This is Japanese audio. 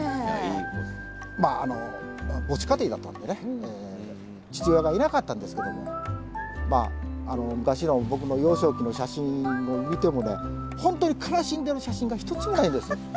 まああの母子家庭だったんでね父親がいなかったんですけども昔の僕の幼少期の写真を見てもね本当に悲しんでる写真が一つもないです。